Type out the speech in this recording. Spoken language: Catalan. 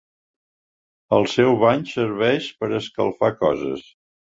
El seu bany serveix per escalfar coses.